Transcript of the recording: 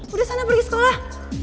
udah sana pergi sekolah